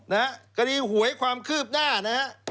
นะฮะคดีหวยความคืบหน้านะฮะ